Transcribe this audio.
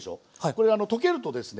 これ溶けるとですね